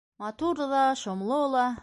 Матур ҙа, шомло ла.